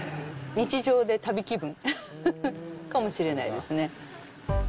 日常で旅気分かもしれないですね。